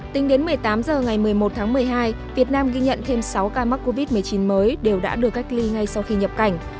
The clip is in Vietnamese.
tính đến một mươi tám h ngày một mươi một tháng một mươi hai việt nam ghi nhận thêm sáu ca mắc covid một mươi chín mới đều đã được cách ly ngay sau khi nhập cảnh